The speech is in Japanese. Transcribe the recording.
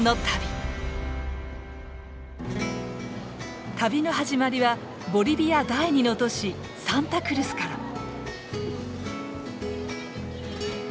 旅の始まりはボリビア第２の都市サンタクルスから。